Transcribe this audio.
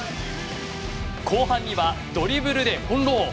後半にはドリブルで翻ろう。